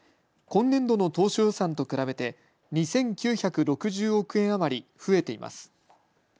今年度の当初予算と比べて２９６０億円余り増えています。